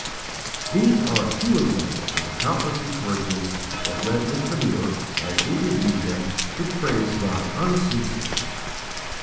These are a few examples of the countless encouragements that led Mr. Muller, as he reviewed them, to praise God unceasingly.